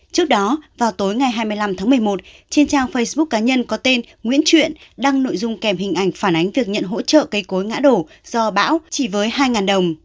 trước đó vào tối ngày hai mươi năm tháng một mươi một trên trang facebook cá nhân có tên nguyễn chuyện đăng nội dung kèm hình ảnh phản ánh việc nhận hỗ trợ cây cối ngã đổ do bão chỉ với hai đồng